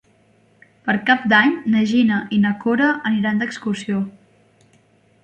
Per Cap d'Any na Gina i na Cora aniran d'excursió.